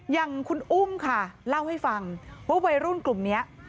อย่างคุณอุ้มค่ะเล่าให้ฟังว่าวัยรุ่นกลุ่มนี้